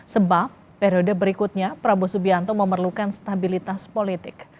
sebab periode berikutnya prabowo subianto memerlukan stabilitas politik